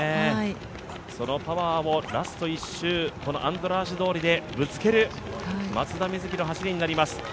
そのパワーをラスト１周、アンドラーシ通りでぶつける松田瑞生の走りになります。